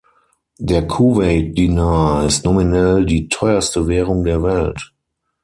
Der Kuwait-Dinar ist nominell die teuerste Währung der Welt.